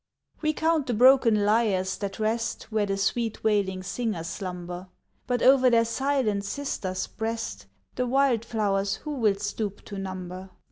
We count the broken lyres that rest Where the sweet wailing singers slumber, But o'er their silent sister's breast The wild flowers who will stoop to number?